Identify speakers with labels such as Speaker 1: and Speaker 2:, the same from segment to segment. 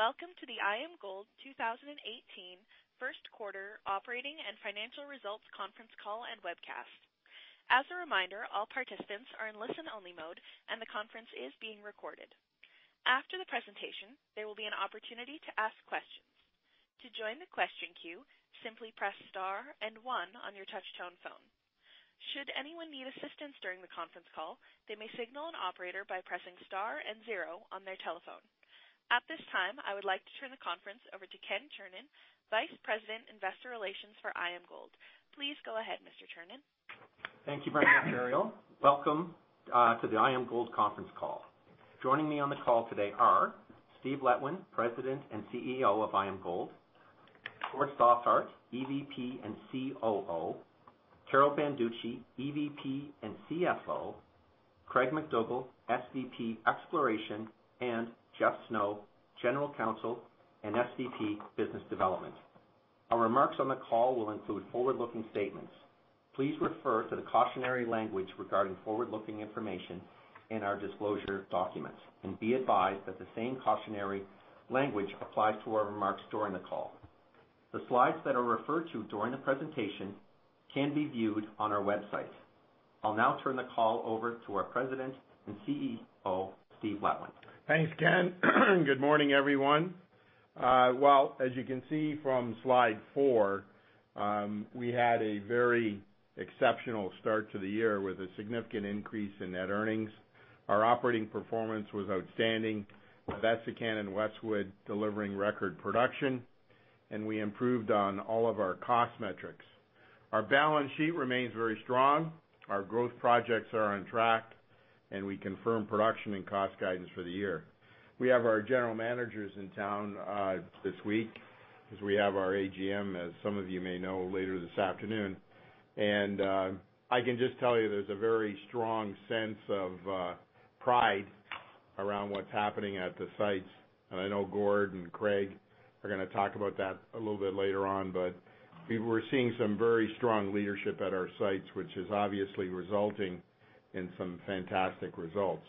Speaker 1: Welcome to the IAMGOLD 2018 first quarter operating and financial results conference call and webcast. As a reminder, all participants are in listen-only mode, and the conference is being recorded. After the presentation, there will be an opportunity to ask questions. To join the question queue, simply press star and one on your touch-tone phone. Should anyone need assistance during the conference call, they may signal an operator by pressing star and zero on their telephone. At this time, I would like to turn the conference over to Ken Chernin, Vice President, Investor Relations for IAMGOLD. Please go ahead, Mr. Chernin.
Speaker 2: Thank you very much, Ariel. Welcome to the IAMGOLD conference call. Joining me on the call today are Steve Letwin, President and CEO of IAMGOLD, Gord Stothart, EVP and COO, Carol Banducci, EVP and CFO, Craig MacDougall, SVP, Exploration, and Jeffery Snow, General Counsel and SVP, Business Development. Our remarks on the call will include forward-looking statements. Please refer to the cautionary language regarding forward-looking information in our disclosure documents. Be advised that the same cautionary language applies to our remarks during the call. The slides that are referred to during the presentation can be viewed on our website. I'll now turn the call over to our President and CEO, Steve Letwin.
Speaker 3: Thanks, Ken. Good morning, everyone. As you can see from slide four, we had a very exceptional start to the year with a significant increase in net earnings. Our operating performance was outstanding, with Essakane and Westwood delivering record production. We improved on all of our cost metrics. Our balance sheet remains very strong. Our growth projects are on track. We confirm production and cost guidance for the year. We have our general managers in town this week because we have our AGM, as some of you may know, later this afternoon. I can just tell you there's a very strong sense of pride around what's happening at the sites. I know Gord and Craig are going to talk about that a little bit later on. We were seeing some very strong leadership at our sites, which is obviously resulting in some fantastic results.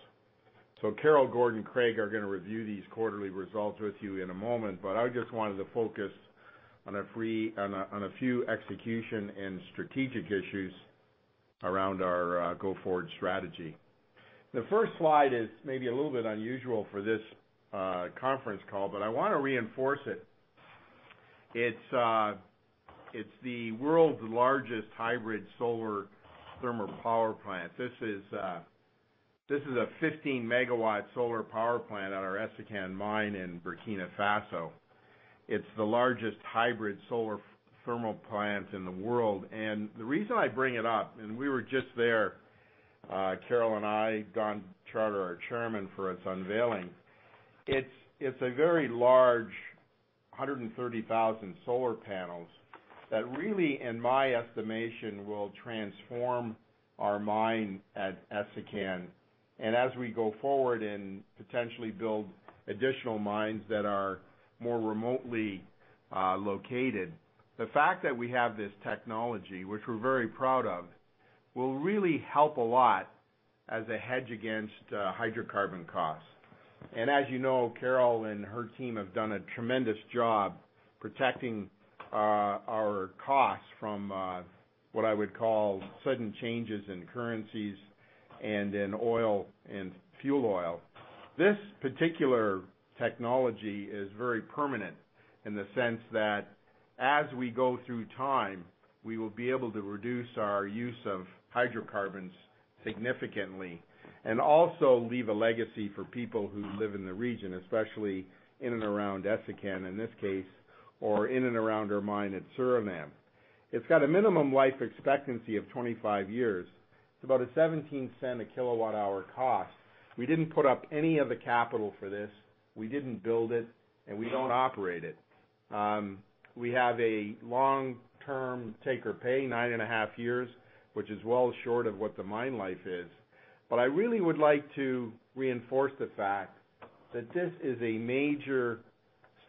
Speaker 3: Carol, Gord, and Craig are going to review these quarterly results with you in a moment. I just wanted to focus on a few execution and strategic issues around our go-forward strategy. The first slide is maybe a little bit unusual for this conference call. I want to reinforce it. It's the world's largest hybrid solar thermal power plant. This is a 15-megawatt solar power plant on our Essakane mine in Burkina Faso. It's the largest hybrid solar thermal plant in the world. The reason I bring it up, we were just there, Carol and I, Don Charter, our Chairman, for its unveiling. It's a very large 130,000 solar panels that really, in my estimation, will transform our mine at Essakane. As we go forward and potentially build additional mines that are more remotely located, the fact that we have this technology, which we're very proud of, will really help a lot as a hedge against hydrocarbon costs. As you know, Carol and her team have done a tremendous job protecting our costs from what I would call sudden changes in currencies and in oil and fuel oil. This particular technology is very permanent in the sense that as we go through time, we will be able to reduce our use of hydrocarbons significantly and also leave a legacy for people who live in the region, especially in and around Essakane, in this case, or in and around our mine at Suriname. It's got a minimum life expectancy of 25 years. It's about a $0.17 a kilowatt hour cost. We didn't put up any of the capital for this. We didn't build it, and we don't operate it. We have a long-term take or pay, nine and a half years, which is well short of what the mine life is. I really would like to reinforce the fact that this is a major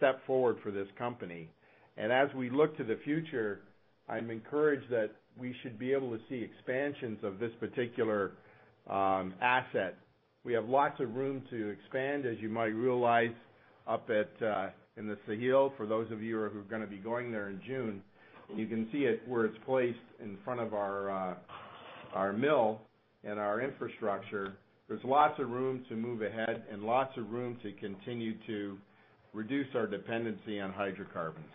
Speaker 3: step forward for this company. As we look to the future, I'm encouraged that we should be able to see expansions of this particular asset. We have lots of room to expand, as you might realize up in the Sahel, for those of you who are going to be going there in June. You can see it where it's placed in front of our mill and our infrastructure. There's lots of room to move ahead and lots of room to continue to reduce our dependency on hydrocarbons.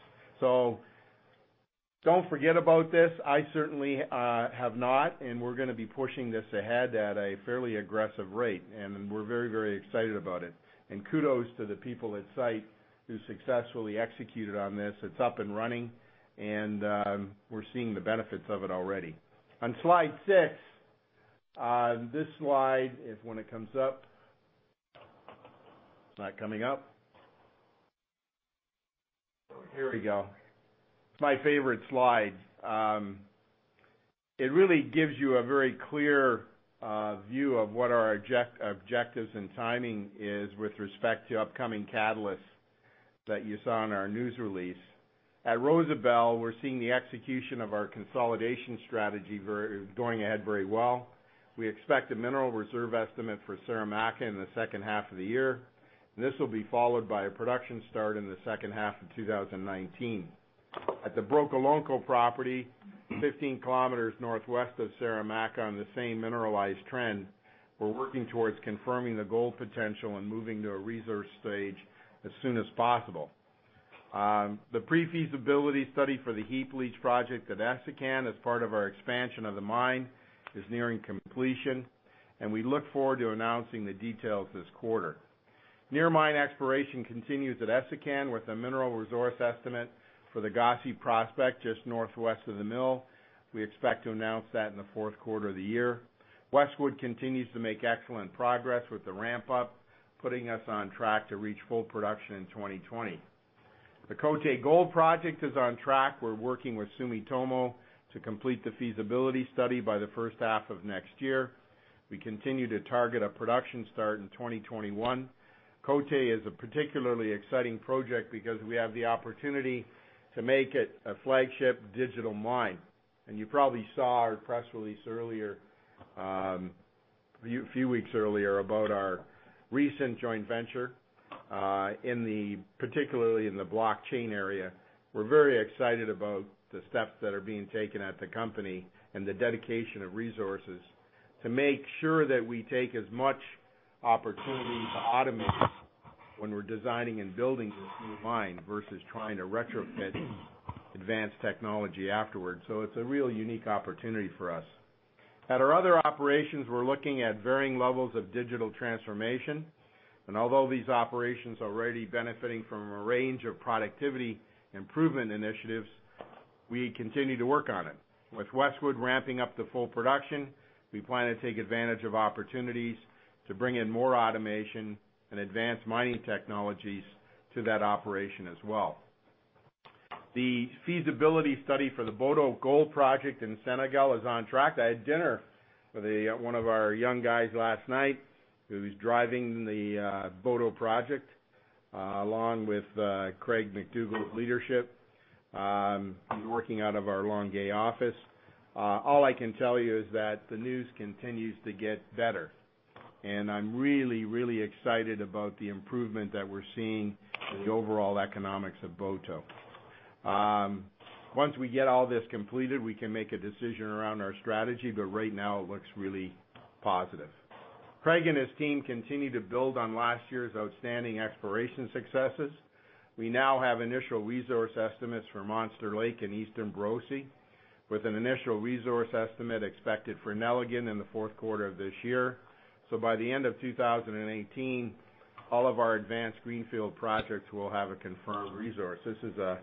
Speaker 3: Don't forget about this. I certainly have not, we're going to be pushing this ahead at a fairly aggressive rate, and we're very excited about it. Kudos to the people at site who successfully executed on this. It's up and running, and we're seeing the benefits of it already. On slide six, this slide is when it comes up. It's not coming up. Here we go. It's my favorite slide. It really gives you a very clear view of what our objectives and timing is with respect to upcoming catalysts that you saw in our news release. At Rosebel, we're seeing the execution of our consolidation strategy going ahead very well. We expect a mineral reserve estimate for Saramacca in the second half of the year. This will be followed by a production start in the second half of 2019. At the Brokolonko property, 15 km northwest of Saramacca on the same mineralized trend, we're working towards confirming the gold potential and moving to a resource stage as soon as possible. The pre-feasibility study for the heap leach project at Essakane, as part of our expansion of the mine, is nearing completion, and we look forward to announcing the details this quarter. Near mine exploration continues at Essakane with a mineral resource estimate for the Gossi prospect just northwest of the mill. We expect to announce that in the fourth quarter of the year. Westwood continues to make excellent progress with the ramp up, putting us on track to reach full production in 2020. The Côté Gold Project is on track. We're working with Sumitomo to complete the feasibility study by the first half of next year. We continue to target a production start in 2021. Côté is a particularly exciting project because we have the opportunity to make it a flagship digital mine. You probably saw our press release a few weeks earlier about our recent joint venture, particularly in the blockchain area. We are very excited about the steps that are being taken at the company and the dedication of resources to make sure that we take as much opportunity to automate when we are designing and building this new mine versus trying to retrofit advanced technology afterwards. So it is a real unique opportunity for us. At our other operations, we are looking at varying levels of digital transformation, and although these operations are already benefiting from a range of productivity improvement initiatives, we continue to work on it. With Westwood ramping up to full production, we plan to take advantage of opportunities to bring in more automation and advanced mining technologies to that operation as well. The feasibility study for the Boto Gold Project in Senegal is on track. I had dinner with one of our young guys last night who is driving the Boto project, along with Craig MacDougall's leadership, working out of our Longueuil office. All I can tell you is that the news continues to get better. I am really, really excited about the improvement that we are seeing in the overall economics of Boto. Once we get all this completed, we can make a decision around our strategy, but right now it looks really positive. Craig and his team continue to build on last year's outstanding exploration successes. We now have initial resource estimates for Monster Lake and Eastern Borosi, with an initial resource estimate expected for Nelligan in the fourth quarter of this year. So by the end of 2018, all of our advanced greenfield projects will have a confirmed resource. This is a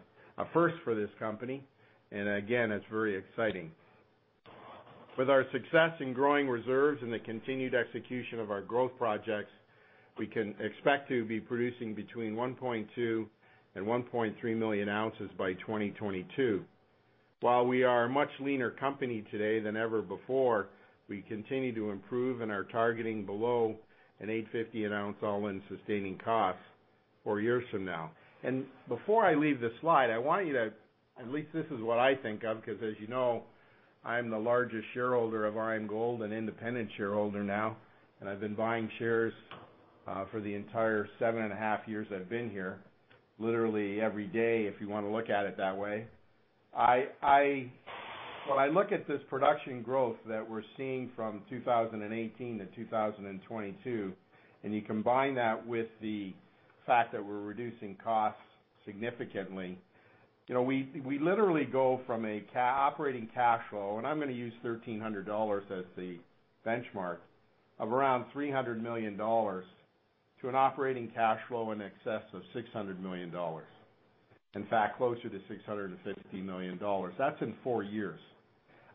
Speaker 3: first for this company, and again, it is very exciting. With our success in growing reserves and the continued execution of our growth projects, we can expect to be producing between 1.2 and 1.3 million ounces by 2022. While we are a much leaner company today than ever before, we continue to improve and are targeting below an $850 an ounce all-in sustaining cost four years from now. Before I leave this slide, I want you to, at least this is what I think of, because as you know, I am the largest shareholder of IAMGOLD, an independent shareholder now, and I have been buying shares for the entire 7 and a half years I have been here, literally every day, if you want to look at it that way. When I look at this production growth that we are seeing from 2018 to 2022, and you combine that with the fact that we are reducing costs significantly, we literally go from an operating cash flow, and I am going to use $1,300 as the benchmark, of around $300 million to an operating cash flow in excess of $600 million. In fact, closer to $650 million. That is in four years.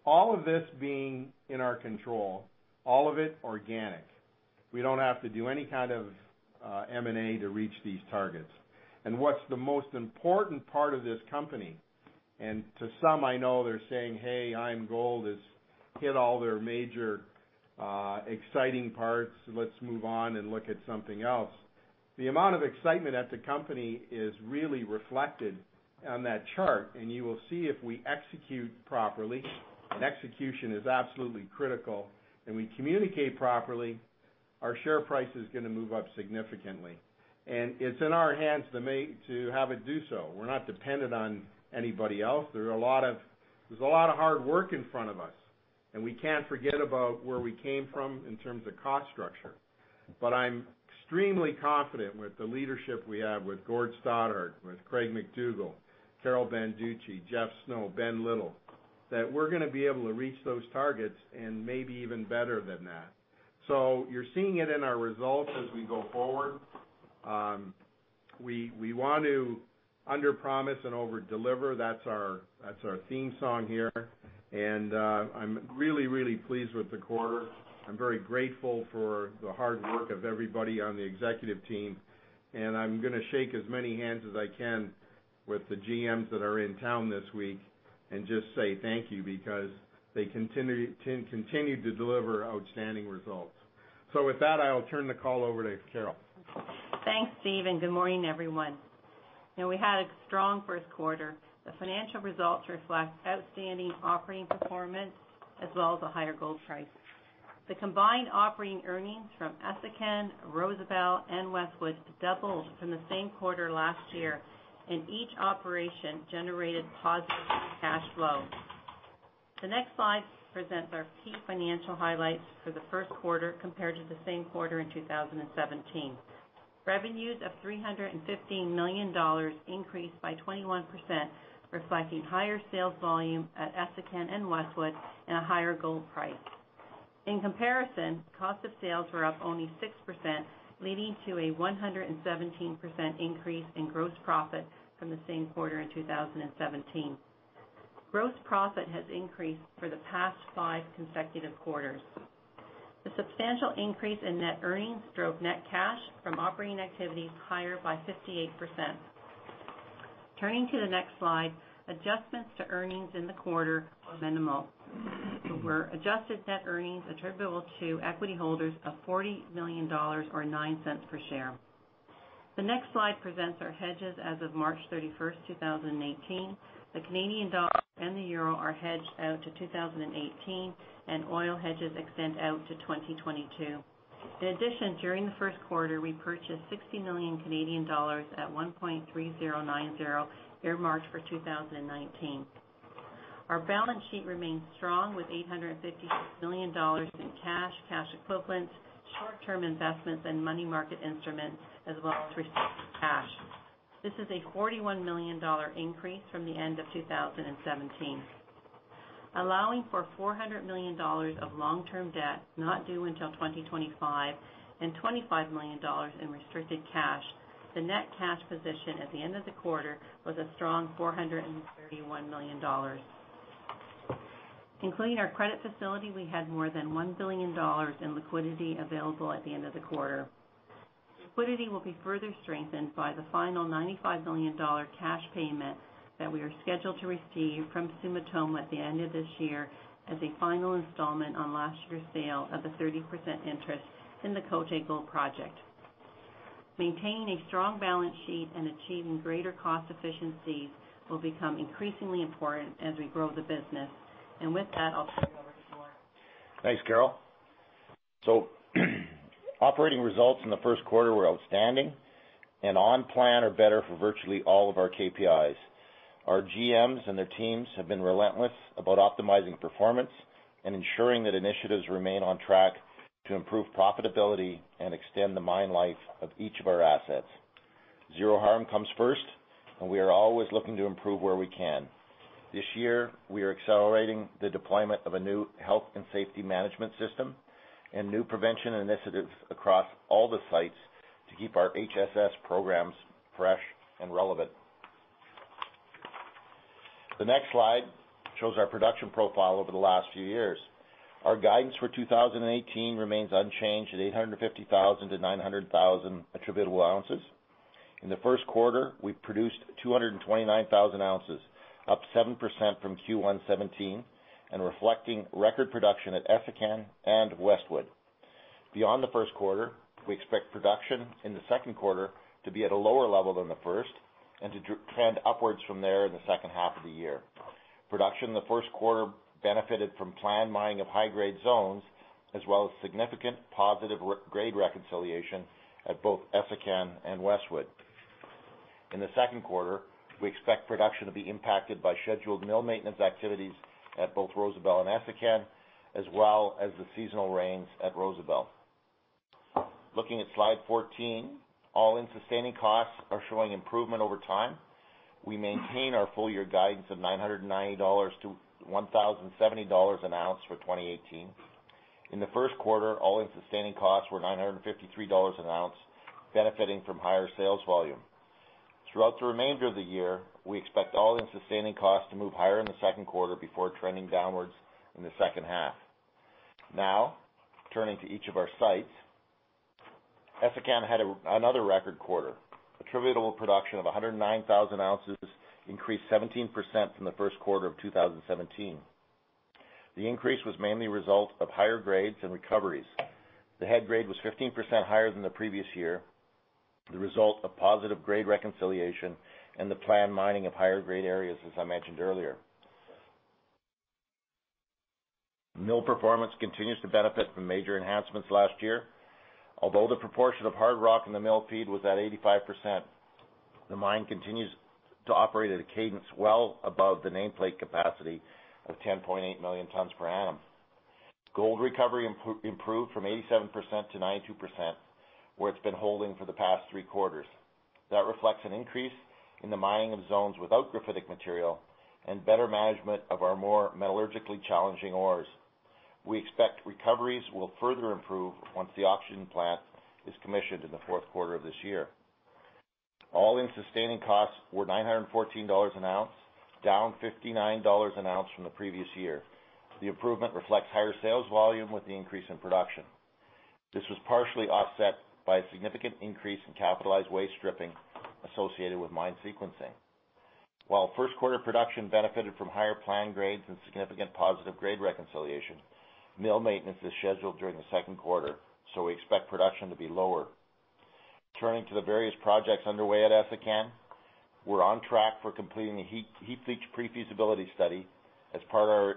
Speaker 3: All of this being in our control, all of it organic. We don't have to do any kind of M&A to reach these targets. What's the most important part of this company, and to some, I know they're saying, "Hey, IAMGOLD has hit all their major exciting parts. Let's move on and look at something else." The amount of excitement at the company is really reflected on that chart, you will see if we execute properly, and execution is absolutely critical, and we communicate properly, our share price is going to move up significantly. It's in our hands to have it do so. We're not dependent on anybody else. There's a lot of hard work in front of us, and we can't forget about where we came from in terms of cost structure. I'm extremely confident with the leadership we have with Gord Stothart, with Craig MacDougall, Carol Banducci, Jeff Snow, Ben Little, that we're going to be able to reach those targets and maybe even better than that. You're seeing it in our results as we go forward. We want to underpromise and overdeliver. That's our theme song here. I'm really, really pleased with the quarter. I'm very grateful for the hard work of everybody on the executive team, and I'm going to shake as many hands as I can with the GMs that are in town this week and just say thank you, because they continue to deliver outstanding results. With that, I will turn the call over to Carol.
Speaker 4: Thanks, Steve. Good morning, everyone. We had a strong first quarter. The financial results reflect outstanding operating performance as well as a higher gold price. The combined operating earnings from Essakane, Rosebel, and Westwood doubled from the same quarter last year. Each operation generated positive cash flow. The next slide presents our key financial highlights for the first quarter compared to the same quarter in 2017. Revenues of $315 million increased by 21%, reflecting higher sales volume at Essakane and Westwood, and a higher gold price. In comparison, cost of sales were up only 6%, leading to a 117% increase in gross profit from the same quarter in 2017. Gross profit has increased for the past five consecutive quarters. The substantial increase in net earnings drove net cash from operating activities higher by 58%. Turning to the next slide, adjustments to earnings in the quarter were minimal, where adjusted net earnings attributable to equity holders of $40 million or $0.09 per share. The next slide presents our hedges as of March 31st, 2018. The Canadian dollar and the euro are hedged out to 2018, and oil hedges extend out to 2022. In addition, during the first quarter, we purchased 60 million Canadian dollars at 1.3090 earmarked for 2019. Our balance sheet remains strong with $856 million in cash equivalents, short-term investments, and money market instruments, as well as restricted cash. This is a $41 million increase from the end of 2017. Allowing for $400 million of long-term debt not due until 2025 and $25 million in restricted cash, the net cash position at the end of the quarter was a strong $431 million. Including our credit facility, we had more than $1 billion in liquidity available at the end of the quarter. Liquidity will be further strengthened by the final $95 million cash payment that we are scheduled to receive from Sumitomo at the end of this year as a final installment on last year's sale of a 30% interest in the Côté Gold Project. Maintaining a strong balance sheet and achieving greater cost efficiencies will become increasingly important as we grow the business. With that, I'll turn it over to Warren.
Speaker 5: Thanks, Carol. Operating results in the first quarter were outstanding and on plan or better for virtually all of our KPIs. Our GMs and their teams have been relentless about optimizing performance and ensuring that initiatives remain on track to improve profitability and extend the mine life of each of our assets. Zero harm comes first, and we are always looking to improve where we can. This year, we are accelerating the deployment of a new health and safety management system and new prevention initiatives across all the sites to keep our HSS programs fresh and relevant. The next slide shows our production profile over the last few years. Our guidance for 2018 remains unchanged at 850,000-900,000 attributable ounces. In the first quarter, we produced 229,000 ounces, up 7% from Q1 2017, reflecting record production at Essakane and Westwood. Beyond the first quarter, we expect production in the second quarter to be at a lower level than the first and to trend upwards from there in the second half of the year. Production in the first quarter benefited from planned mining of high-grade zones, as well as significant positive grade reconciliation at both Essakane and Westwood. In the second quarter, we expect production to be impacted by scheduled mill maintenance activities at both Rosebel and Essakane, as well as the seasonal rains at Rosebel. Looking at Slide 14, all-in sustaining costs are showing improvement over time. We maintain our full year guidance of $990-$1,070 an ounce for 2018. In the first quarter, all-in sustaining costs were $953 an ounce, benefiting from higher sales volume. Throughout the remainder of the year, we expect all-in sustaining costs to move higher in the second quarter before trending downwards in the second half. Turning to each of our sites. Essakane had another record quarter. Attributable production of 109,000 ounces increased 17% from the first quarter of 2017. The increase was mainly a result of higher grades and recoveries. The head grade was 15% higher than the previous year, the result of positive grade reconciliation and the planned mining of higher grade areas, as I mentioned earlier. Mill performance continues to benefit from major enhancements last year. Although the proportion of hard rock in the mill feed was at 85%, the mine continues to operate at a cadence well above the nameplate capacity of 10.8 million tons per annum. Gold recovery improved from 87% to 92%, where it's been holding for the past three quarters. That reflects an increase in the mining of zones without graphitic material and better management of our more metallurgically challenging ores. We expect recoveries will further improve once the oxygen plant is commissioned in the fourth quarter of this year. All-in sustaining costs were $914 an ounce, down $59 an ounce from the previous year. The improvement reflects higher sales volume with the increase in production. This was partially offset by a significant increase in capitalized waste stripping associated with mine sequencing. While first quarter production benefited from higher planned grades and significant positive grade reconciliation, mill maintenance is scheduled during the second quarter, we expect production to be lower. Turning to the various projects underway at Essakane, we're on track for completing the heap leach pre-feasibility study as part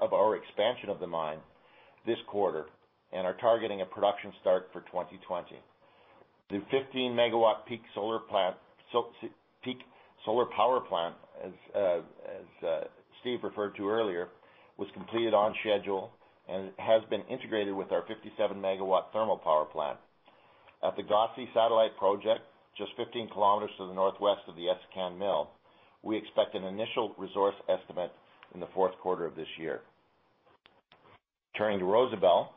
Speaker 5: of our expansion of the mine this quarter, and are targeting a production start for 2020. The 15 MW peak solar power plant, as Steve referred to earlier, was completed on schedule and has been integrated with our 57 MW thermal power plant. At the Gossi Satellite Project, just 15 km to the northwest of the Essakane mill, we expect an initial resource estimate in the fourth quarter of this year. Turning to Rosebel,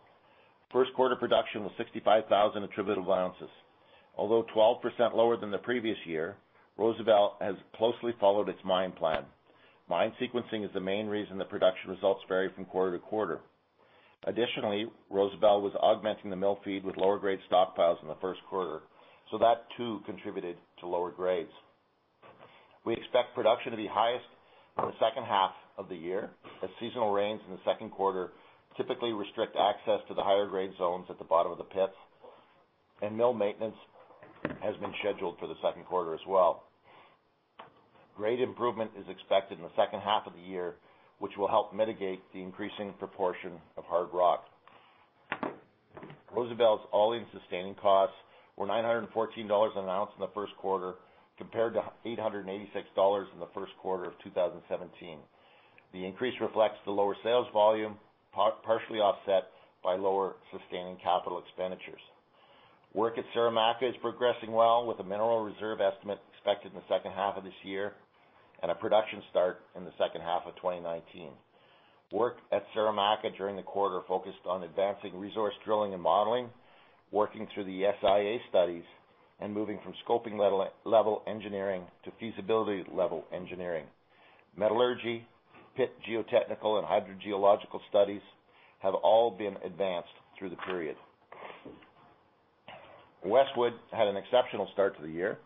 Speaker 5: first quarter production was 65,000 attributable ounces. Although 12% lower than the previous year, Rosebel has closely followed its mine plan. Mine sequencing is the main reason that production results vary from quarter to quarter. Additionally, Rosebel was augmenting the mill feed with lower grade stockpiles in the first quarter, that too contributed to lower grades. We expect production to be highest in the second half of the year, as seasonal rains in the second quarter typically restrict access to the higher grade zones at the bottom of the pits, mill maintenance has been scheduled for the second quarter as well. Grade improvement is expected in the second half of the year, which will help mitigate the increasing proportion of hard rock. Rosebel's all-in sustaining costs were $914 an ounce in the first quarter, compared to $886 in the first quarter of 2017. The increase reflects the lower sales volume, partially offset by lower sustaining capital expenditures. Work at Saramacca is progressing well, with a mineral reserve estimate expected in the second half of this year, a production start in the second half of 2019. Work at Saramacca during the quarter focused on advancing resource drilling and modeling, working through the ESIA studies, and moving from scoping level engineering to feasibility level engineering. Metallurgy, pit geotechnical and hydrogeological studies have all been advanced through the period. Westwood had an exceptional start to the year.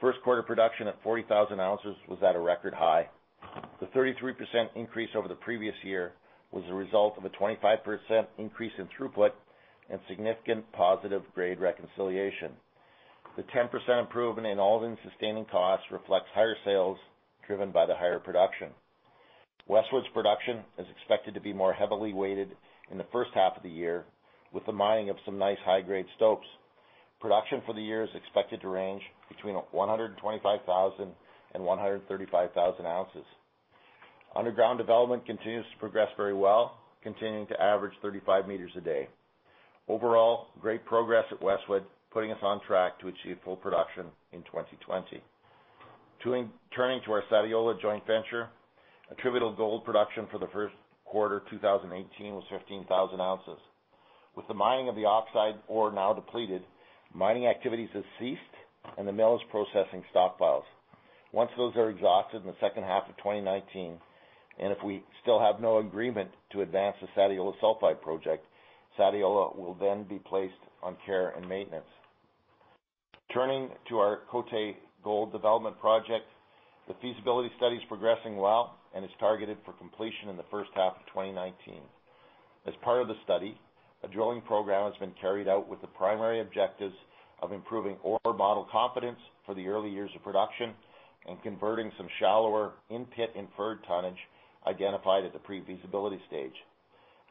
Speaker 5: First quarter production at 40,000 ounces was at a record high. The 33% increase over the previous year was a result of a 25% increase in throughput and significant positive grade reconciliation. The 10% improvement in all-in sustaining costs reflects higher sales driven by the higher production. Westwood's production is expected to be more heavily weighted in the first half of the year with the mining of some nice high-grade stopes. Production for the year is expected to range between 125,000 and 135,000 ounces. Underground development continues to progress very well, continuing to average 35 meters a day. Overall, great progress at Westwood, putting us on track to achieve full production in 2020. Turning to our Sadiola joint venture, attributable gold production for the first quarter 2018 was 15,000 ounces. With the mining of the oxide ore now depleted, mining activities have ceased and the mill is processing stockpiles. Once those are exhausted in the second half of 2019, if we still have no agreement to advance the Sadiola sulfide project, Sadiola will then be placed on care and maintenance. Turning to our Côté Gold development project, the feasibility study is progressing well and is targeted for completion in the first half of 2019. As part of the study, a drilling program has been carried out with the primary objectives of improving ore model confidence for the early years of production and converting some shallower in-pit inferred tonnage identified at the pre-feasibility stage.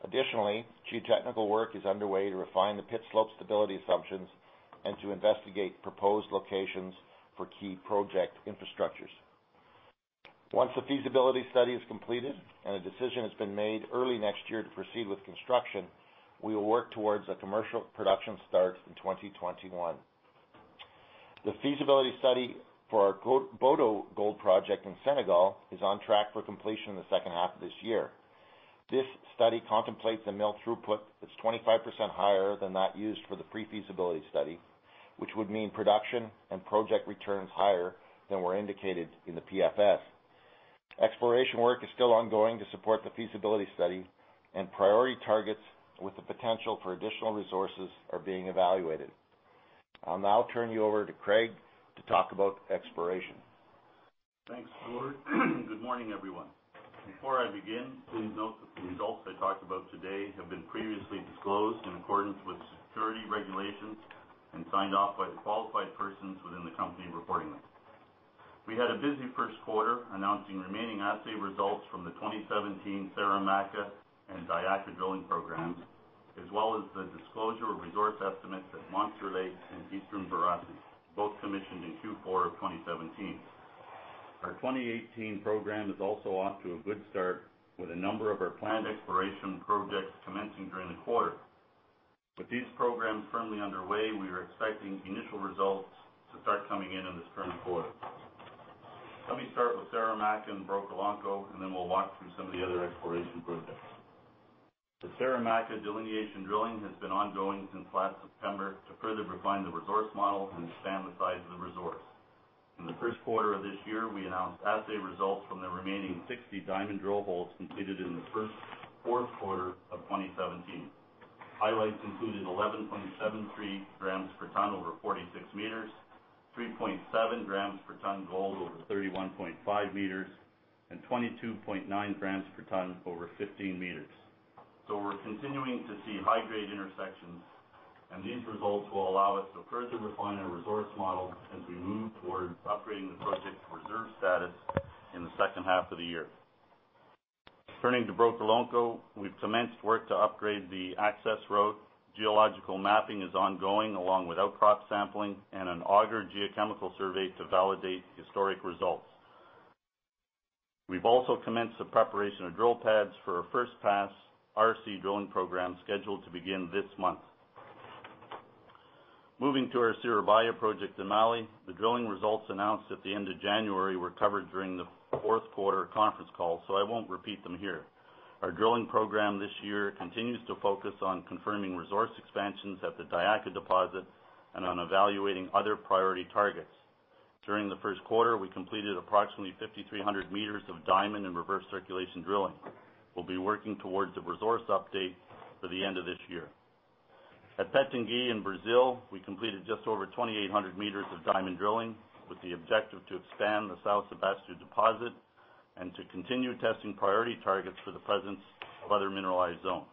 Speaker 5: Additionally, geotechnical work is underway to refine the pit slope stability assumptions and to investigate proposed locations for key project infrastructures. Once the feasibility study is completed and a decision has been made early next year to proceed with construction, we will work towards a commercial production start in 2021. The feasibility study for our Boto Gold Project in Senegal is on track for completion in the second half of this year. This study contemplates a mill throughput that is 25% higher than that used for the pre-feasibility study, which would mean production and project returns higher than were indicated in the PFS. Exploration work is still ongoing to support the feasibility study and priority targets with the potential for additional resources are being evaluated. I will now turn you over to Craig to talk about exploration.
Speaker 6: Thanks, Gord. Good morning, everyone. Before I begin, please note that the results I talk about today have been previously disclosed in accordance with security regulations and signed off by the qualified persons within the company reporting them. We had a busy first quarter announcing remaining assay results from the 2017 Saramacca and Diakha drilling programs, as well as the disclosure of resource estimates at Monster Lake and Eastern Borosi, both commissioned in Q4 of 2017. Our 2018 program is also off to a good start with a number of our planned exploration projects commencing during the quarter. With these programs firmly underway, we are expecting initial results to start coming in this current quarter. Let me start with Saramacca and Brokolonko. Then we will walk through some of the other exploration projects. The Saramacca delineation drilling has been ongoing since last September to further refine the resource model and expand the size of the resource. In the first quarter of this year, we announced assay results from our remaining 60 diamond drill holes completed in the fourth quarter of 2017. Highlights included 11.73 grams per tonne over 46 meters, 3.7 grams per tonne gold over 31.5 meters, and 22.9 grams per tonne over 15 meters. We are continuing to see high-grade intersections, and these results will allow us to further refine our resource model as we move towards upgrading the project to reserve status in the second half of the year. Turning to Brokolonko, we have commenced work to upgrade the access road. Geological mapping is ongoing, along with outcrop sampling and an auger geochemical survey to validate historic results. We have also commenced the preparation of drill pads for a first-pass RC drilling program scheduled to begin this month. Moving to our Siribaya project in Mali. The drilling results announced at the end of January were covered during the fourth quarter conference call, so I will not repeat them here. Our drilling program this year continues to focus on confirming resource expansions at the Diakha deposit and on evaluating other priority targets. During the first quarter, we completed approximately 5,300 meters of diamond and reverse circulation drilling. We will be working towards a resource update for the end of this year. At Pitangui in Brazil, we completed just over 2,800 meters of diamond drilling with the objective to expand the São Sebastião deposit and to continue testing priority targets for the presence of other mineralized zones.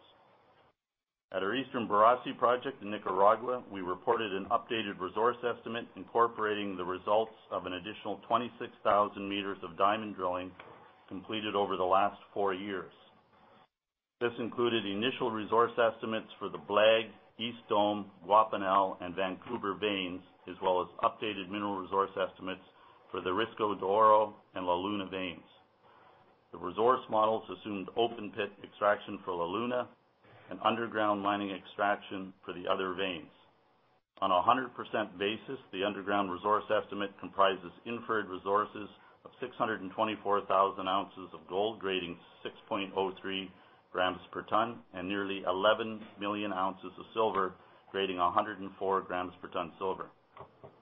Speaker 6: At our Eastern Borosi project in Nicaragua, we reported an updated resource estimate incorporating the results of an additional 26,000 meters of diamond drilling completed over the last four years. This included initial resource estimates for the Blag, East Dome, Guapinol, and Vancouver veins, as well as updated mineral resource estimates for the Risco de Oro and La Luna veins. The resource models assumed open pit extraction for La Luna and underground mining extraction for the other veins. On a 100% basis, the underground resource estimate comprises inferred resources of 624,000 ounces of gold grading 6.03 grams per tonne and nearly 11 million ounces of silver grading 104 grams per tonne silver.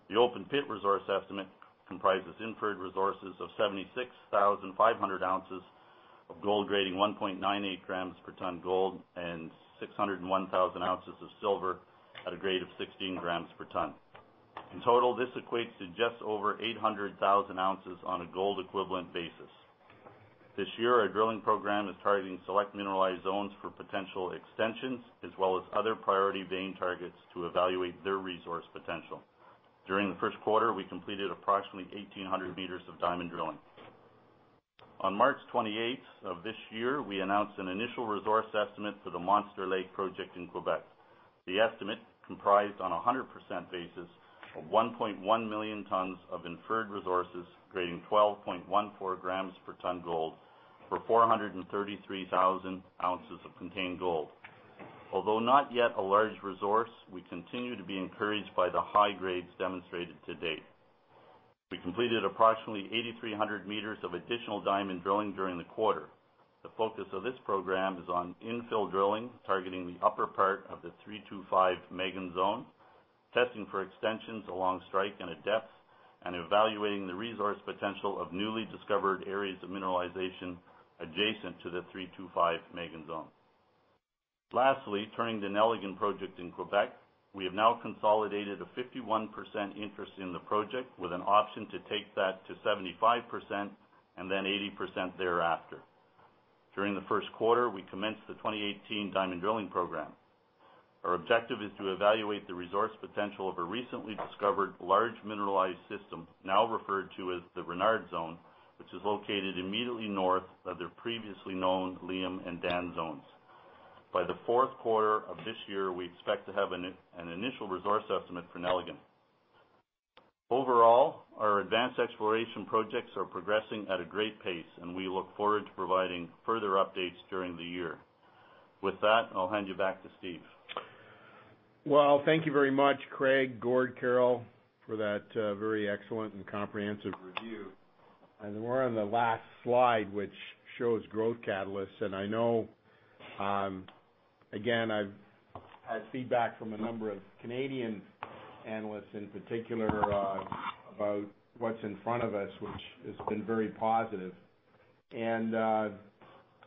Speaker 6: The open-pit resource estimate comprises inferred resources of 76,500 ounces of gold grading 1.98 grams per tonne gold and 601,000 ounces of silver at a grade of 16 grams per tonne. In total, this equates to just over 800,000 ounces on a gold equivalent basis. This year, our drilling program is targeting select mineralized zones for potential extensions, as well as other priority vein targets to evaluate their resource potential. During the first quarter, we completed approximately 1,800 meters of diamond drilling. On March 28th of this year, we announced an initial resource estimate for the Monster Lake project in Quebec. The estimate comprised, on a 100% basis, of 1.1 million tons of inferred resources grading 12.14 grams per tonne gold for 433,000 ounces of contained gold. Although not yet a large resource, we continue to be encouraged by the high grades demonstrated to date. We completed approximately 8,300 meters of additional diamond drilling during the quarter. The focus of this program is on infill drilling, targeting the upper part of the 325-Megane Zone, testing for extensions along strike and at depth, and evaluating the resource potential of newly discovered areas of mineralization adjacent to the 325-Megane Zone. Lastly, turning to Nelligan Project in Quebec. We have now consolidated a 51% interest in the Project with an option to take that to 75% and then 80% thereafter. During the first quarter, we commenced the 2018 diamond drilling program. Our objective is to evaluate the resource potential of a recently discovered large mineralized system now referred to as the Renard Zone, which is located immediately north of their previously known Liam Zone and Dan Zone. By the fourth quarter of this year, we expect to have an initial resource estimate for Nelligan. Overall, our advanced exploration projects are progressing at a great pace. We look forward to providing further updates during the year. With that, I'll hand you back to Steve.
Speaker 3: Well, thank you very much, Craig, Gord, Carol, for that very excellent and comprehensive review. We're on the last slide, which shows growth catalysts. I know, again, I've had feedback from a number of Canadian analysts in particular about what's in front of us, which has been very positive.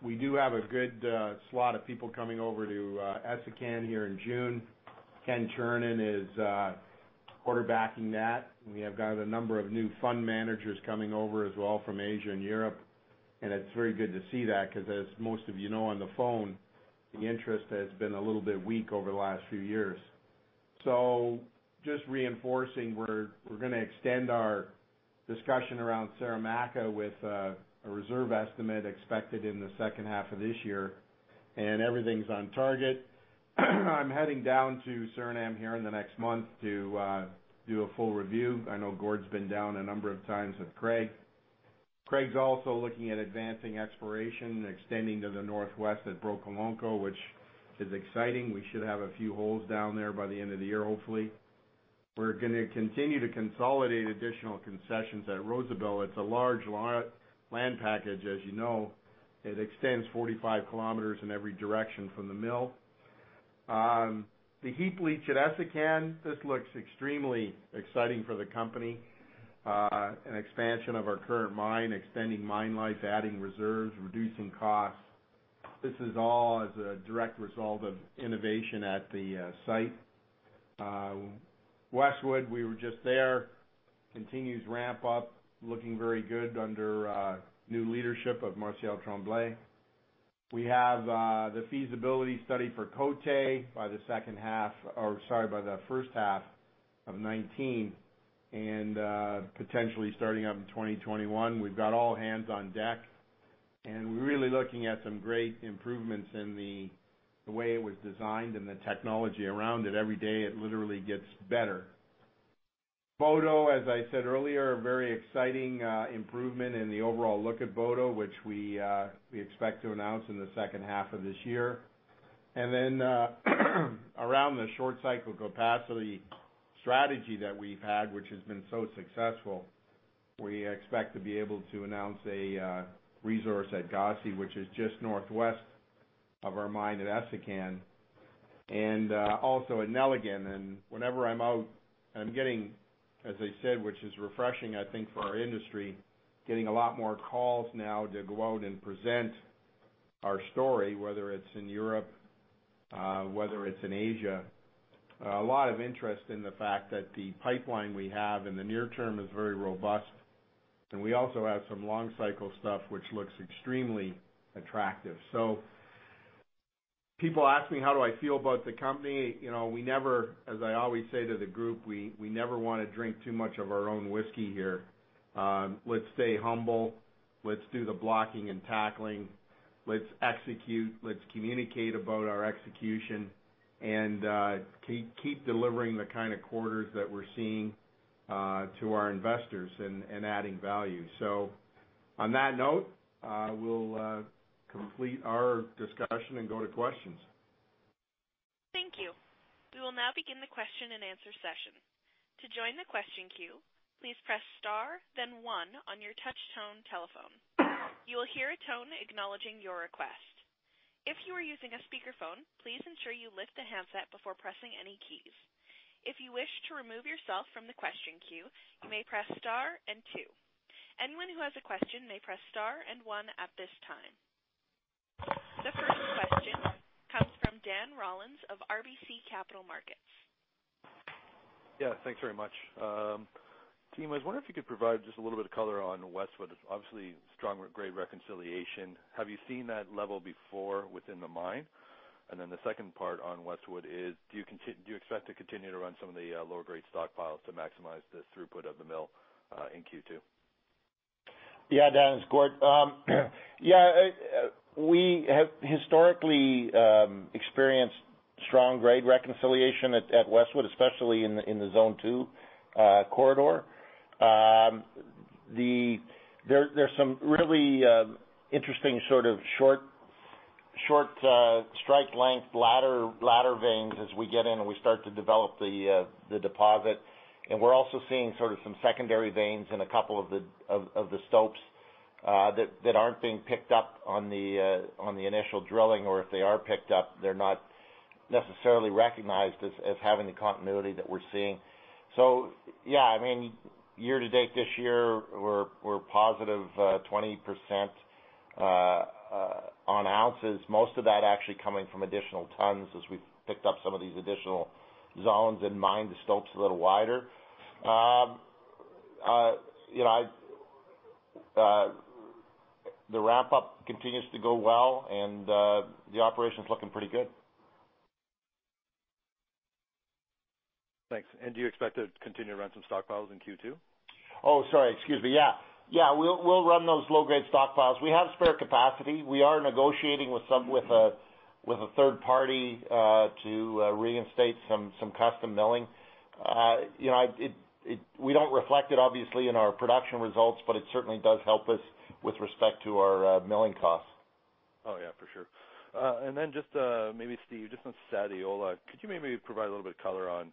Speaker 3: We do have a good slot of people coming over to Essakane here in June. Ken Chernin is quarterbacking that. We have got a number of new fund managers coming over as well from Asia and Europe. It's very good to see that because as most of you know on the phone, the interest has been a little bit weak over the last few years. Just reinforcing, we're going to extend our discussion around Saramacca with a reserve estimate expected in the second half of this year. Everything's on target. I'm heading down to Suriname here in the next month to do a full review. I know Gord's been down a number of times with Craig. Craig's also looking at advancing exploration and extending to the northwest at Brokolonko, which is exciting. We should have a few holes down there by the end of the year, hopefully. We're going to continue to consolidate additional concessions at Rosebel. It's a large land package, as you know. It extends 45 km in every direction from the mill. The heap leach at Essakane, this looks extremely exciting for the company. An expansion of our current mine, extending mine life, adding reserves, reducing costs. This is all as a direct result of innovation at the site. Westwood, we were just there, continues ramp up, looking very good under new leadership of Marcel Tremblay. We have the feasibility study for Côté by the first half of 2019, potentially starting up in 2021. We've got all hands on deck, and we're really looking at some great improvements in the way it was designed and the technology around it. Every day, it literally gets better. Boto, as I said earlier, a very exciting improvement in the overall look of Boto, which we expect to announce in the second half of this year. Then, around the short cycle capacity strategy that we've had, which has been so successful, we expect to be able to announce a resource at Gossi, which is just northwest of our mine at Essakane and also at Nelligan. Whenever I'm out, I'm getting, as I said, which is refreshing, I think, for our industry, getting a lot more calls now to go out and present our story, whether it's in Europe, whether it's in Asia. A lot of interest in the fact that the pipeline we have in the near term is very robust, and we also have some long cycle stuff, which looks extremely attractive. People ask me, how do I feel about the company? As I always say to the group, we never want to drink too much of our own whiskey here. Let's stay humble. Let's do the blocking and tackling. Let's execute. Let's communicate about our execution and keep delivering the kind of quarters that we're seeing to our investors and adding value. On that note, we'll complete our discussion and go to questions.
Speaker 1: Thank you. We will now begin the question and answer session. To join the question queue, please press star then one on your touch tone telephone. You will hear a tone acknowledging your request. If you are using a speakerphone, please ensure you lift the handset before pressing any keys. If you wish to remove yourself from the question queue, you may press star and two. Anyone who has a question may press star and one at this time. The first question comes from Dan Rollins of RBC Capital Markets.
Speaker 7: Yeah. Thanks very much. Team, I was wondering if you could provide just a little bit of color on Westwood. It's obviously strong grade reconciliation. Have you seen that level before within the mine? Then the second part on Westwood is, do you expect to continue to run some of the lower grade stockpiles to maximize the throughput of the mill in Q2?
Speaker 5: Dan, it's Gord. We have historically experienced strong grade reconciliation at Westwood, especially in the Zone 2 corridor. There's some really interesting sort of short strike length ladder veins as we get in and we start to develop the deposit. We're also seeing sort of some secondary veins in a couple of the stopes that aren't being picked up on the initial drilling, or if they are picked up, they're not necessarily recognized as having the continuity that we're seeing. Year to date this year, we're positive 20% on ounces. Most of that actually coming from additional tons as we've picked up some of these additional zones and mined the stopes a little wider. The ramp up continues to go well and the operation's looking pretty good.
Speaker 7: Thanks. Do you expect to continue to run some stockpiles in Q2?
Speaker 5: Sorry. Excuse me. We'll run those low grade stockpiles. We have spare capacity. We are negotiating with a third party to reinstate some custom milling. We don't reflect it, obviously, in our production results, but it certainly does help us with respect to our milling costs.
Speaker 7: For sure. Just maybe Steve, just on Sadiola, could you maybe provide a little bit of color on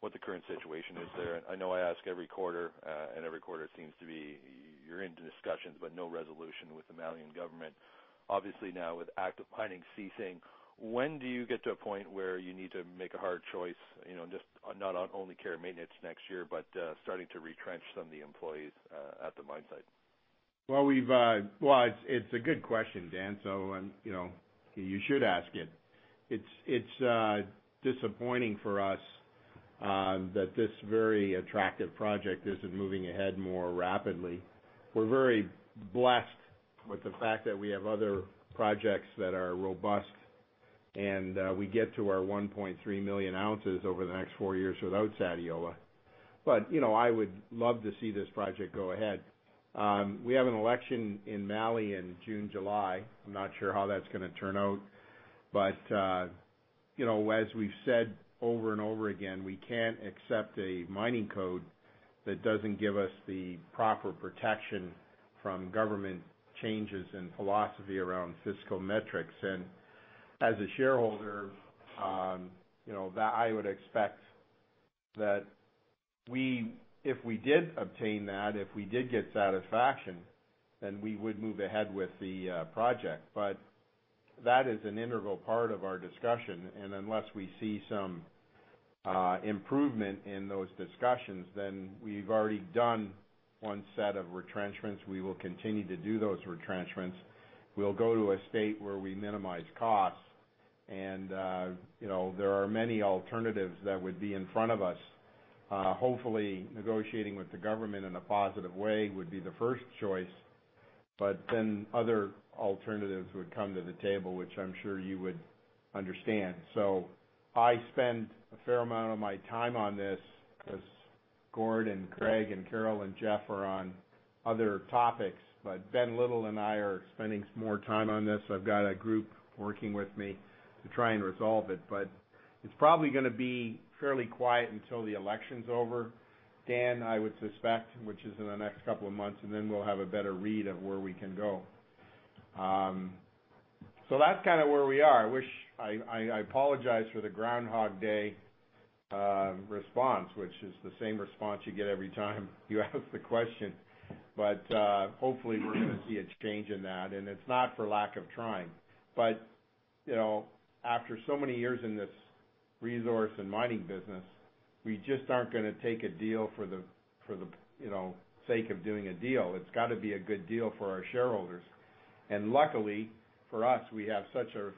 Speaker 7: what the current situation is there? I know I ask every quarter, and every quarter seems to be you're into discussions, but no resolution with the Malian government. Obviously now with active mining ceasing, when do you get to a point where you need to make a hard choice, just not on only care and maintenance next year, but starting to retrench some of the employees at the mine site?
Speaker 3: Well, it's a good question, Dan, so you should ask it. It's disappointing for us that this very attractive project isn't moving ahead more rapidly. We're very blessed with the fact that we have other projects that are robust, and we get to our 1.3 million ounces over the next four years without Sadiola. I would love to see this project go ahead. We have an election in Mali in June, July. I'm not sure how that's going to turn out, but as we've said over and over again, we can't accept a mining code that doesn't give us the proper protection from government changes in philosophy around fiscal metrics. As a shareholder, I would expect that if we did obtain that, if we did get satisfaction, we would move ahead with the project. That is an integral part of our discussion, and unless we see some improvement in those discussions, we've already done one set of retrenchments. We will continue to do those retrenchments. We'll go to a state where we minimize costs and there are many alternatives that would be in front of us. Hopefully, negotiating with the government in a positive way would be the first choice, other alternatives would come to the table, which I'm sure you would understand. I spend a fair amount of my time on this as Gord and Craig and Carol and Jeff are on other topics. Ben Little and I are spending some more time on this. I've got a group working with me to try and resolve it. It's probably going to be fairly quiet until the election's over, Dan, I would suspect, which is in the next couple of months, and we'll have a better read of where we can go. That's kind of where we are. I apologize for the Groundhog Day response, which is the same response you get every time you ask the question, hopefully, we're going to see a change in that, and it's not for lack of trying. After so many years in this resource and mining business, we just aren't going to take a deal for the sake of doing a deal. It's got to be a good deal for our shareholders. Luckily for us, we have such a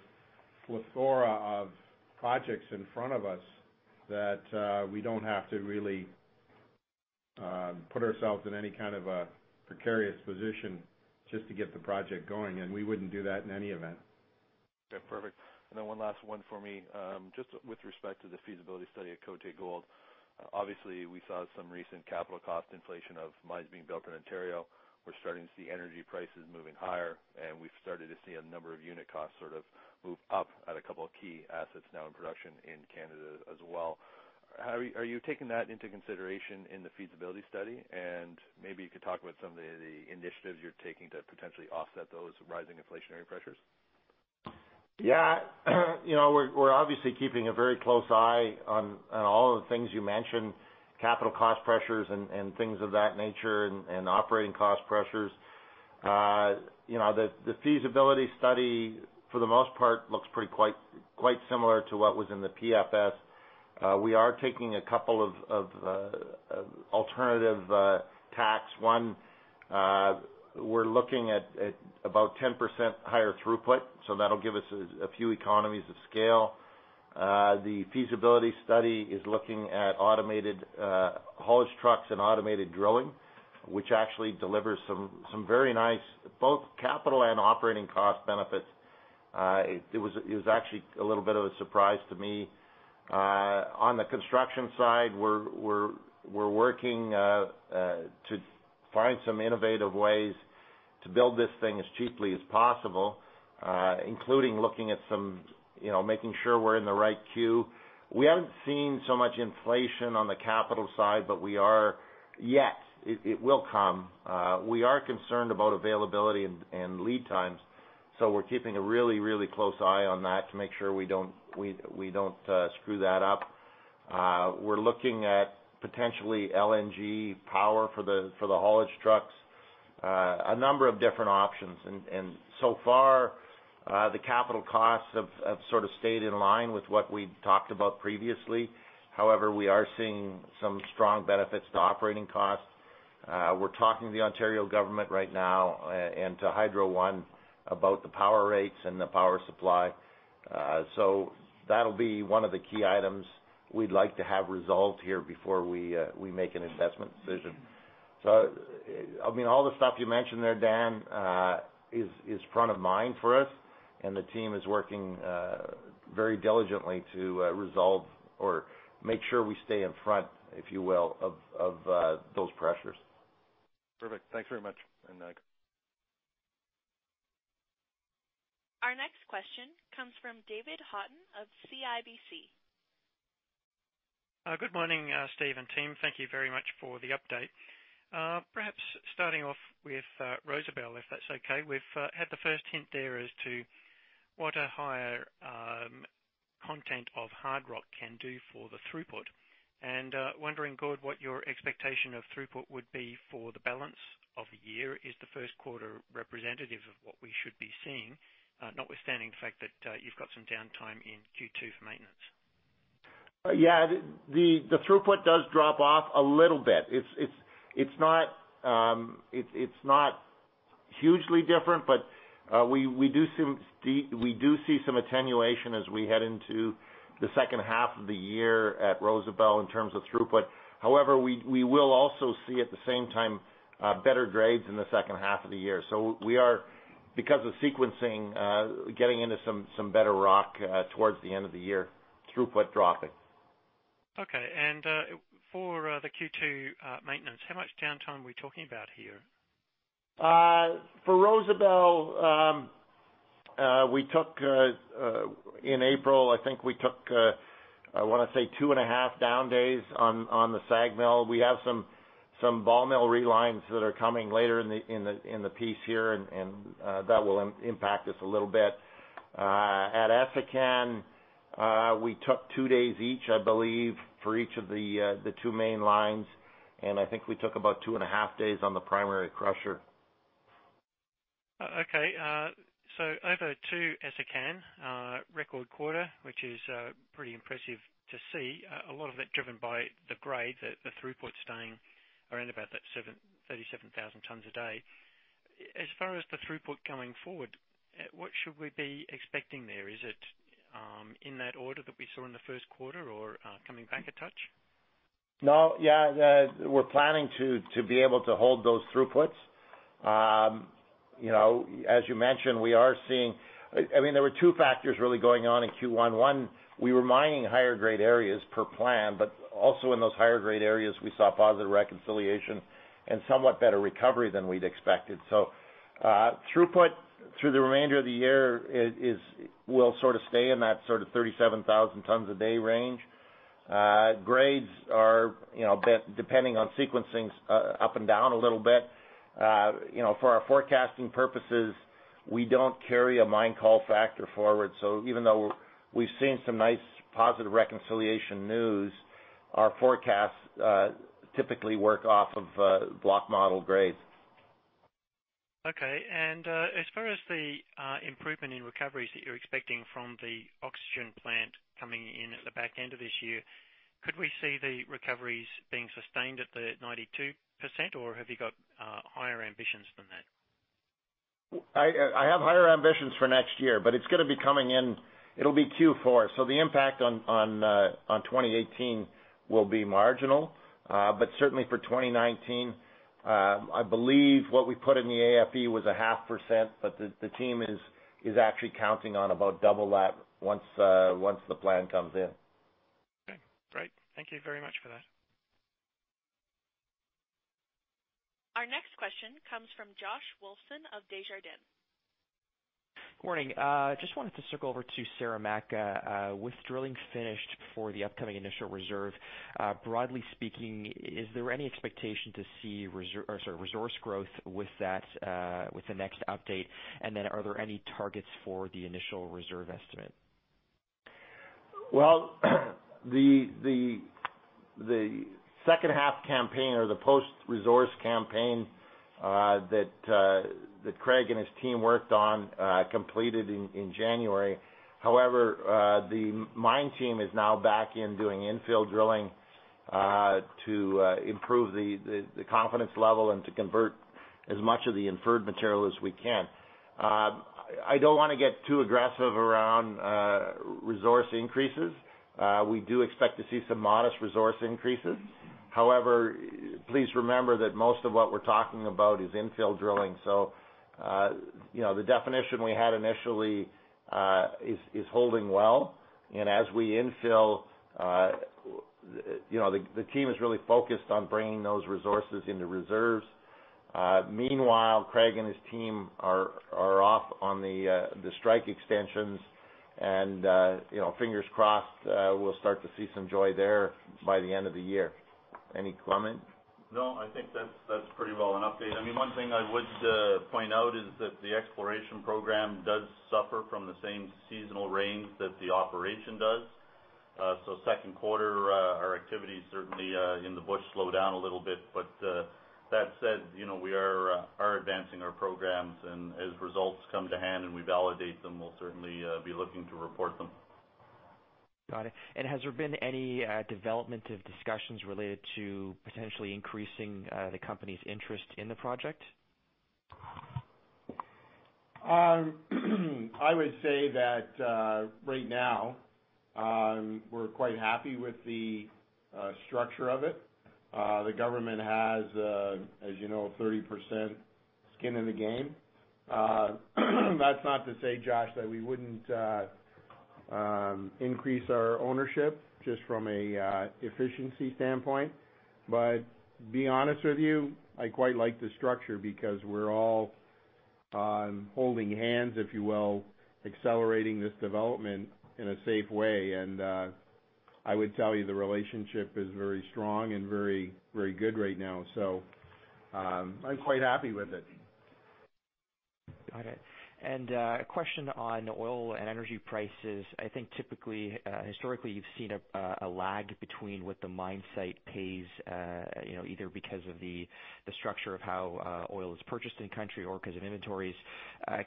Speaker 3: plethora of projects in front of us that we don't have to really put ourselves in any kind of a precarious position just to get the project going, and we wouldn't do that in any event.
Speaker 7: Okay, perfect. One last one for me. Just with respect to the feasibility study at Côté Gold, obviously we saw some recent capital cost inflation of mines being built in Ontario. We've started to see energy prices moving higher, we've started to see a number of unit costs sort of move up at a couple of key assets now in production in Canada as well. Are you taking that into consideration in the feasibility study? Maybe you could talk about some of the initiatives you're taking to potentially offset those rising inflationary pressures.
Speaker 3: Yeah. We're obviously keeping a very close eye on all of the things you mentioned, capital cost pressures and things of that nature, and operating cost pressures. The feasibility study, for the most part, looks quite similar to what was in the PFS. We are taking a two alternative tacks. One, we're looking at about 10% higher throughput, that'll give us a few economies of scale. The feasibility study is looking at automated haulage trucks and automated drilling, which actually delivers some very nice both capital and operating cost benefits. It was actually a little bit of a surprise to me. On the construction side, we're working to find some innovative ways to build this thing as cheaply as possible, including making sure we're in the right queue. We haven't seen so much inflation on the capital side, yet. It will come. We are concerned about availability and lead times, we're keeping a really close eye on that to make sure we don't screw that up. We're looking at potentially LNG power for the haulage trucks. A number of different options. So far, the capital costs have sort of stayed in line with what we talked about previously. However, we are seeing some strong benefits to operating costs. We're talking to the Ontario government right now and to Hydro One about the power rates and the power supply. That'll be one of the key items we'd like to have resolved here before we make an investment decision. All the stuff you mentioned there, Dan, is front of mind for us and the team is working very diligently to resolve or make sure we stay in front, if you will, of those pressures.
Speaker 7: Perfect. Thanks very much. Next.
Speaker 1: Our next question comes from David Haughton of CIBC.
Speaker 8: Good morning Steve and team. Thank you very much for the update. Perhaps starting off with Rosebel, if that's okay. We've had the first hint there as to what a higher content of hard rock can do for the throughput. Wondering, Gord, what your expectation of throughput would be for the balance of the year. Is the first quarter representative of what we should be seeing notwithstanding the fact that you've got some downtime in Q2 for maintenance?
Speaker 5: Yeah. The throughput does drop off a little bit. It's not hugely different, but we do see some attenuation as we head into the second half of the year at Rosebel in terms of throughput. However, we will also see, at the same time, better grades in the second half of the year. We are, because of sequencing, getting into some better rock towards the end of the year, throughput dropping.
Speaker 8: Okay. For the Q2 maintenance, how much downtime are we talking about here?
Speaker 5: For Rosebel, in April, I think we took I want to say two and a half down days on the SAG mill. We have some ball mill relines that are coming later in the piece here, that will impact us a little bit. At Essakane, we took two days each, I believe, for each of the two main lines, I think we took about two and a half days on the primary crusher.
Speaker 8: Okay. Over to Essakane record quarter, which is pretty impressive to see a lot of that driven by the grade, the throughput staying around about that 37,000 tons a day. As far as the throughput going forward, what should we be expecting there? Is it in that order that we saw in the first quarter or coming back a touch?
Speaker 5: No, yeah. We're planning to be able to hold those throughputs. As you mentioned, there were two factors really going on in Q1. One, we were mining higher grade areas per plan, also in those higher grade areas, we saw positive reconciliation and somewhat better recovery than we'd expected. Throughput through the remainder of the year will stay in that sort of 37,000 tons a day range. Grades are, depending on sequencing, up and down a little bit. For our forecasting purposes, we don't carry a mine call factor forward, even though we've seen some nice positive reconciliation news, our forecasts typically work off of block model grades.
Speaker 8: Okay, as far as the improvement in recoveries that you're expecting from the oxygen plant coming in at the back end of this year, could we see the recoveries being sustained at the 92%, or have you got higher ambitions than that?
Speaker 5: I have higher ambitions for next year, it's going to be coming in Q4, the impact on 2018 will be marginal. Certainly for 2019, I believe what we put in the AFE was a half %, but the team is actually counting on about double that once the plan comes in.
Speaker 8: Okay, great. Thank you very much for that.
Speaker 1: Our next question comes from Josh Wilson of Desjardins.
Speaker 9: Good morning. Just wanted to circle over to Saramacca. With drilling finished for the upcoming initial reserve, broadly speaking, is there any expectation to see resource growth with the next update? Are there any targets for the initial reserve estimate?
Speaker 5: Well, the second half campaign or the post-resource campaign that Craig and his team worked on, completed in January. However, the mine team is now back in doing infill drilling, to improve the confidence level and to convert as much of the inferred material as we can. I don't want to get too aggressive around resource increases. We do expect to see some modest resource increases. However, please remember that most of what we're talking about is infill drilling, so the definition we had initially is holding well. As we infill, the team is really focused on bringing those resources into reserves. Meanwhile, Craig and his team are off on the strike extensions and fingers crossed, we'll start to see some joy there by the end of the year. Any comment?
Speaker 6: No, I think that's pretty well an update. One thing I would point out is that the exploration program does suffer from the same seasonal rains that the operation does. Second quarter, our activities certainly in the bush slow down a little bit. That said, we are advancing our programs, and as results come to hand and we validate them, we'll certainly be looking to report them.
Speaker 9: Got it. Has there been any development of discussions related to potentially increasing the company's interest in the project?
Speaker 3: I would say that right now, we're quite happy with the structure of it. The government has, as you know, 30% skin in the game. That's not to say, Josh, that we wouldn't increase our ownership just from an efficiency standpoint. To be honest with you, I quite like the structure because we're all holding hands, if you will, accelerating this development in a safe way. I would tell you the relationship is very strong and very good right now, so I'm quite happy with it.
Speaker 9: Got it. A question on oil and energy prices. I think typically, historically, you've seen a lag between what the mine site pays, either because of the structure of how oil is purchased in country or because of inventories.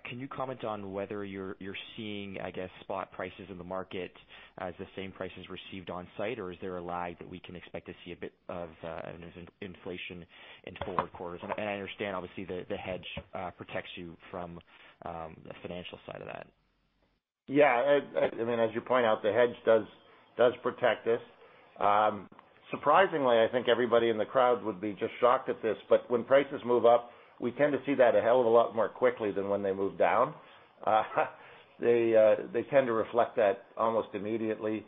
Speaker 9: Can you comment on whether you're seeing, I guess, spot prices in the market as the same prices received on site, or is there a lag that we can expect to see a bit of an inflation in forward quarters? I understand, obviously, the hedge protects you from the financial side of that.
Speaker 3: Yeah. As you point out, the hedge does protect us. Surprisingly, I think everybody in the crowd would be just shocked at this, when prices move up, we tend to see that a hell of a lot more quickly than when they move down. They tend to reflect that almost immediately.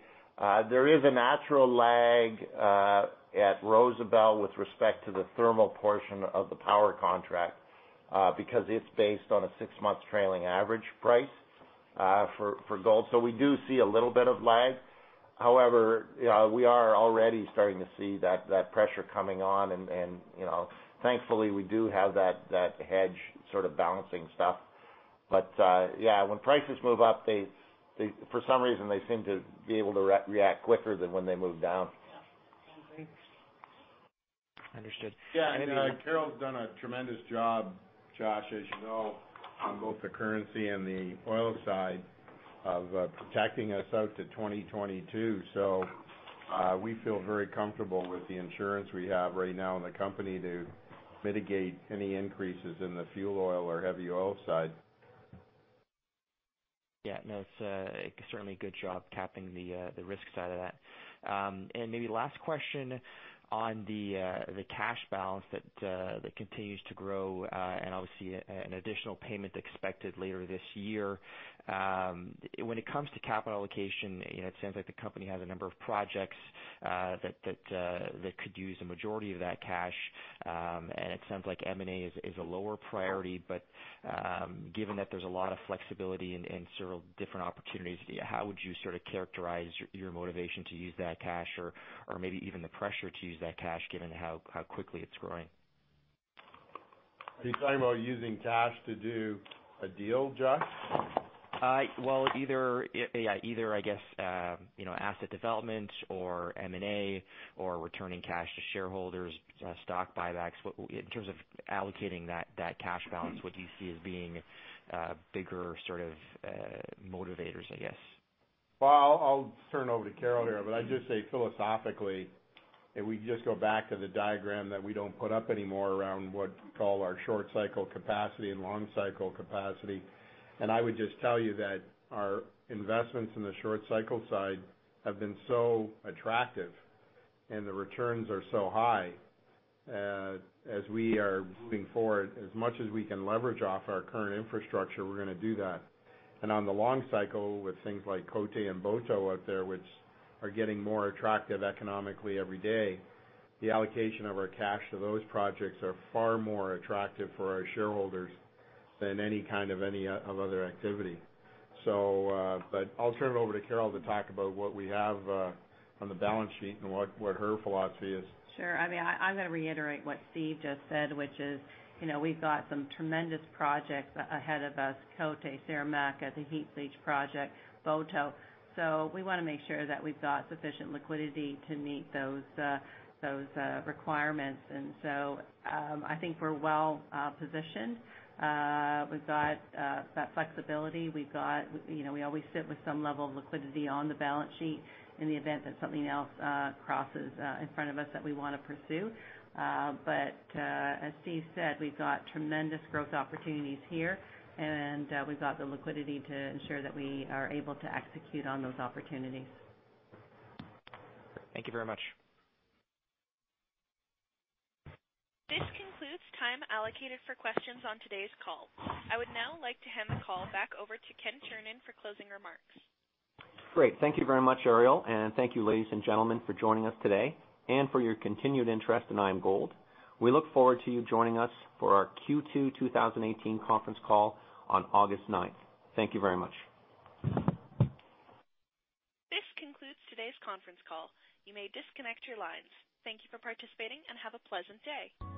Speaker 3: There is a natural lag at Rosebel with respect to the thermal portion of the power contract, because it's based on a six months trailing average price for oil. We do see a little bit of lag.
Speaker 5: However, we are already starting to see that pressure coming on, thankfully we do have that hedge sort of balancing stuff. Yeah, when prices move up, for some reason, they seem to be able to react quicker than when they move down.
Speaker 4: Yeah. Thank you.
Speaker 9: Understood.
Speaker 3: Yeah. Carol's done a tremendous job, Josh, as you know, on both the currency and the oil side of protecting us out to 2022. We feel very comfortable with the insurance we have right now in the company to mitigate any increases in the fuel oil or heavy oil side.
Speaker 9: Yeah, no, it's certainly a good job capping the risk side of that. Maybe last question on the cash balance that continues to grow, and obviously an additional payment expected later this year. When it comes to capital allocation, it sounds like the company has a number of projects that could use the majority of that cash, and it sounds like M&A is a lower priority. Given that there's a lot of flexibility and several different opportunities, how would you sort of characterize your motivation to use that cash or maybe even the pressure to use that cash given how quickly it's growing?
Speaker 3: Are you talking about using cash to do a deal, Josh?
Speaker 9: Well, either, I guess, asset development or M&A or returning cash to shareholders, stock buybacks. In terms of allocating that cash balance, what do you see as being bigger sort of motivators, I guess?
Speaker 3: Well, I'll turn it over to Carol here. I'd just say philosophically, if we just go back to the diagram that we don't put up anymore around what we call our short cycle capacity and long cycle capacity, I would just tell you that our investments in the short cycle side have been so attractive and the returns are so high. As we are moving forward, as much as we can leverage off our current infrastructure, we're going to do that. On the long cycle with things like Côté and Boto out there, which are getting more attractive economically every day, the allocation of our cash to those projects are far more attractive for our shareholders than any kind of any other activity. I'll turn it over to Carol to talk about what we have on the balance sheet and what her philosophy is.
Speaker 4: Sure. I'm going to reiterate what Steve just said, which is we've got some tremendous projects ahead of us, Côté, Saramacca, the heap leach project, Boto. We want to make sure that we've got sufficient liquidity to meet those requirements. I think we're well positioned. We've got that flexibility. We always sit with some level of liquidity on the balance sheet in the event that something else crosses in front of us that we want to pursue. As Steve said, we've got tremendous growth opportunities here, and we've got the liquidity to ensure that we are able to execute on those opportunities.
Speaker 9: Thank you very much.
Speaker 1: This concludes time allocated for questions on today's call. I would now like to hand the call back over to Ken Chernin for closing remarks.
Speaker 2: Great. Thank you very much, Ariel, and thank you, ladies and gentlemen, for joining us today and for your continued interest in IAMGOLD. We look forward to you joining us for our Q2 2018 conference call on August 9th. Thank you very much.
Speaker 1: This concludes today's conference call. You may disconnect your lines. Thank you for participating and have a pleasant day.